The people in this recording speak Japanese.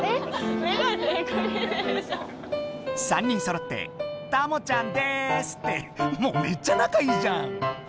３人そろってたもちゃんですってもうめっちゃ仲いいじゃん！